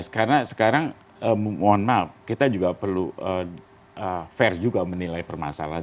karena sekarang mohon maaf kita juga perlu fair juga menilai permasalahan